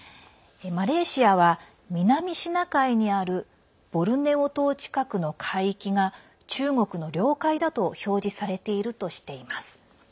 マレーシアは南シナ海にあるボルネオ島近くの海域が中国の領海だと表示されているとしています。